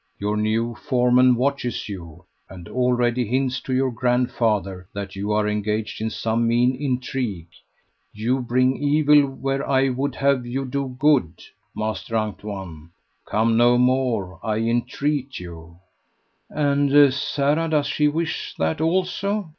"Your new foreman watches you, and already hints to your grandfather that you are engaged in some mean intrigue. You bring evil where I would have you do good, Master Antoine. Come no more, I entreat you." "And Sara does she wish that also?"